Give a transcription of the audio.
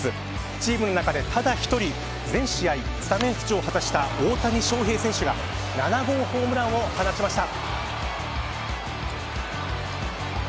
チームの中でただ１人全試合スタメン出場を果たした大谷翔平選手が７号ホームランを放ちました。